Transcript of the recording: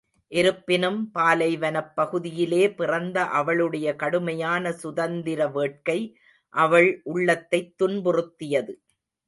இருப்பினும் பாலைவனப் பகுதியிலே பிறந்த அவளுடைய கடுமையான சுதந்திர வேட்கை அவள் உள்ளத்தைத் துன்புறுத்தியது.